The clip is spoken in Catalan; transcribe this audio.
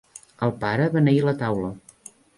El pare beneí la taula.